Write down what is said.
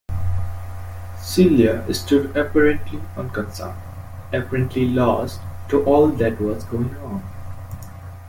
Celia stood apparently unconcerned, apparently lost to all that was going on.